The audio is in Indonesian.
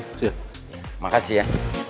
terima kasih ya